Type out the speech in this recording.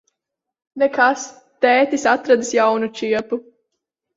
Nekas. Tētis atradis jaunu čiepu.